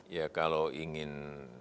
ya kalau ingin